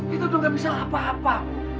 kita sudah tidak bisa apa apa